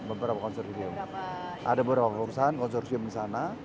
ada beberapa konsorsium di sana